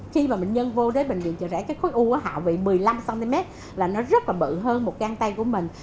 khi mà bệnh nhân vô đến bệnh viện chợ rẫy cái khối u hạ vị một mươi năm cm là nó rất là bự hơn một găng tay của mình